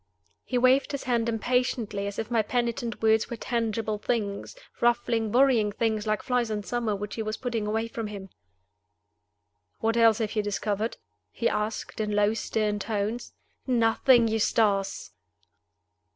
He waved his hand impatiently, as if my penitent words were tangible things ruffling, worrying things, like flies in summer which he was putting away from him. "What else have you discovered?" he asked, in low, stern tones. "Nothing, Eustace."